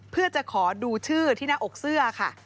เพื่อจะขอดูชื่อที่หน้าอกเสื้อค่ะ